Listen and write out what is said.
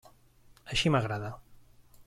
Així m'agrada.